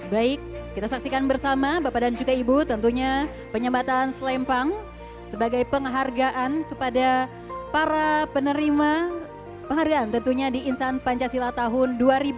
baik kita saksikan bersama bapak dan juga ibu tentunya penyembatan selempang sebagai penghargaan kepada para penerima penghargaan tentunya di insan pancasila tahun dua ribu dua puluh